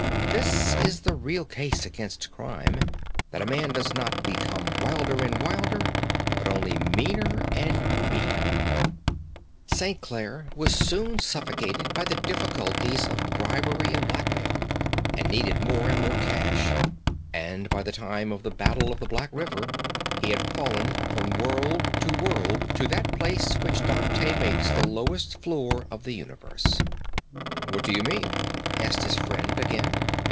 This is the real case against crime, that a man does not become wilder and wilder, but only meaner and meaner. St. Clare was soon suffocated by difficulties of bribery and blackmail; and needed more and more cash. And by the time of the Battle of the Black River he had fallen from world to world to that place which Dante makes the lowest floor of the universe." "What do you mean?" asked his friend again.